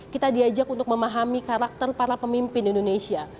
kita diajak untuk memahami karakter para pemimpin indonesia